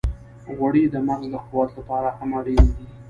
غوړې د مغز د قوت لپاره هم اړینې دي.